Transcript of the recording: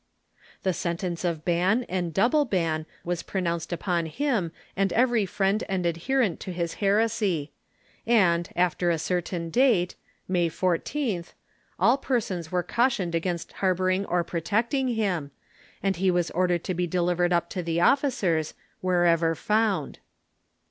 The sentence of ban and double ban was pronounced on him and every friend and adherent to his heresy, and, after a certain date (May 14th), all persons were cautioned against harboring or protecting him, and he was ordered to be delivered up to the officers, wher ever found.